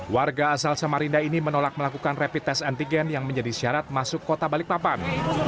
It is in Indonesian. warga asal samarinda ini menolak melakukan rapid test antigen yang menjadi syarat masuk kota balikpapan